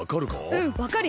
うんわかるよ。